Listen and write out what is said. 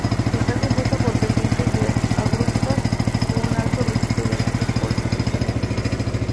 Está compuesta por pendientes de abruptas con un alto registro de eventos por deslizamiento.